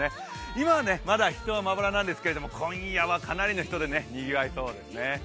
今はまだ人はまばらなんですが今夜はかなりの人でにぎわいそうですね。